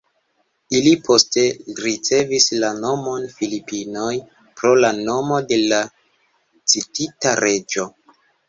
Ili poste ricevis la nomon Filipinoj pro la nomo de la citita reĝo.